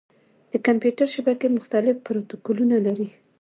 د کمپیوټر شبکې مختلف پروتوکولونه لري.